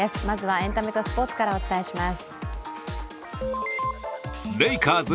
まずはエンタメとスポーツからお伝えします。